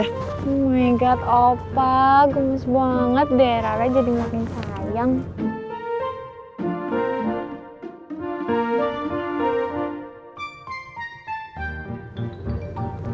oh my god opah gemes banget deh ra ra jadi makin sayang